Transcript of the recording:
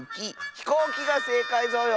「ひこうき」がせいかいぞよ！